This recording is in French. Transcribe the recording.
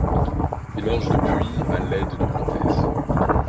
Il marche depuis à l'aide de prothèses.